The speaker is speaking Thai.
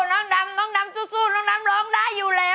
น้องดำน้องดำสู้น้องน้ำร้องได้อยู่แล้ว